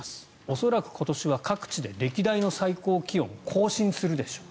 恐らく今年は各地で歴代の最高気温を更新するでしょう。